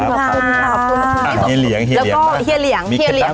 แล้วก็เหี้ยเหลียง